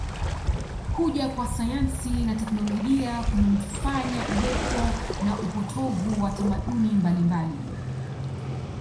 Kuja kwa sayansi na teknolojia kumefanya uwepo na upotovu wa tamaduni mbalimbali